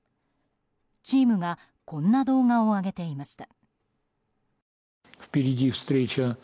チームがこんな動画を上げていました。